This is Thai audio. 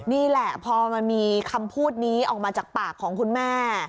นี่แหละพอมันมีคำพูดนี้ออกมาจากปากของคุณแม่